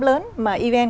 lớn mà ypet